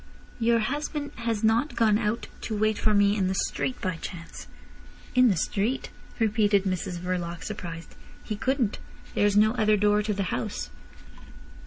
"Your husband has not gone out to wait for me in the street by chance?" "In the street!" repeated Mrs Verloc, surprised. "He couldn't. There's no other door to the house."